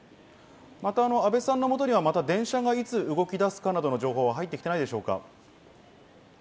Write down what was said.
また阿部さんのもとには電車がいつ動き出すかなどの情報は入ってきていないでしょうか？